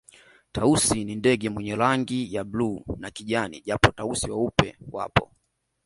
Tausi ni ndege mwenye rangi ya bluu na kijani japo Tausi weupe wapo